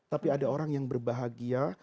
tapi ada orang yang berbahagia